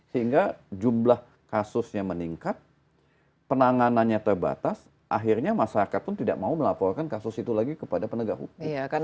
sehingga jumlah kasusnya meningkat penanganannya terbatas akhirnya masyarakat pun tidak mau melaporkan kasus itu lagi kepada penegak hukum